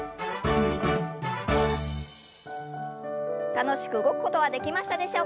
楽しく動くことはできましたでしょうか。